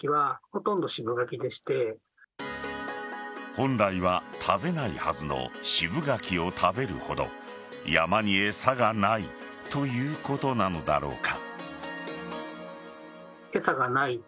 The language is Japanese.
本来は食べないはずの渋柿を食べるほど山に餌がないということなのだろうか。